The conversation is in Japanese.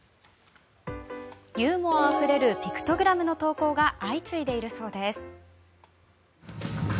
ユーモアあふれるピクトグラムの投稿が相次いでいるそうです。